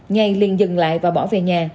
nhày liền dừng lại và bỏ về nhà